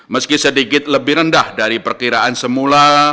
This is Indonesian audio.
meski sedikit lebih rendah dari perkiraan semula